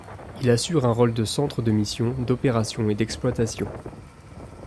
Il assure un rôle de centre de mission, d'opération et d'exploitation.